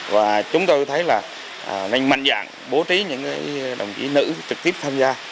và chúng tôi thấy là nên mạnh dạng bố trí những đồng chí nữ trực tiếp tham gia